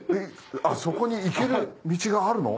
そこに行ける道があるの？